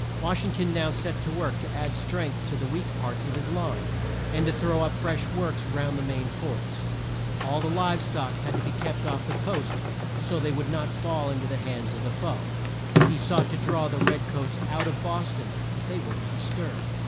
Wash ing ton now set to work to add strength to the weak parts of his line, and to throw up fresh works round the main forts. All the live stock had to be kept off the coast so that they would not fall in to the hands of the foe. He sought to draw the red coats out of Bos ton, but they would not stir.